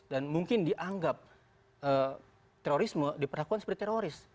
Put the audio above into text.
dan mungkin dianggap terorisme diperlakukan seperti teroris